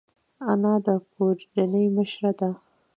انا د کورنۍ مشوره ده